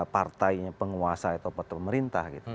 partai penguasa atau petur merintah gitu